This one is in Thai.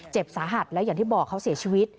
สาหัสและอย่างที่บอกเขาเสียชีวิต